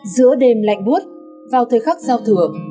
giữa đêm lạnh buốt vào thời khắc giao thừa